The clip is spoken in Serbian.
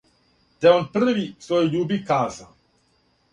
Те он први својој љуби каза: